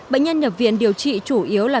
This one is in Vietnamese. bệnh nhân nhập viện điều trị chủ yếu là